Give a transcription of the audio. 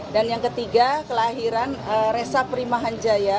dan yang ketiga kelahiran resa prima hanjaya